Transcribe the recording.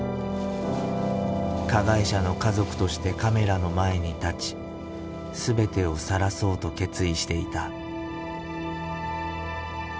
加害者の家族としてカメラの前に立ち全てをさらそうと決意していた。